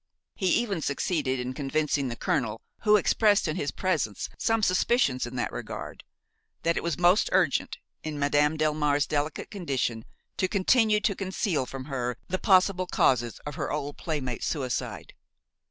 He even succeeded in convincing the colonel, who expressed in his presence some suspicions in that regard, that it was most urgent, in Madame Delmare's delicate condition, to continue to conceal from her the possible causes of her old playmate's suicide.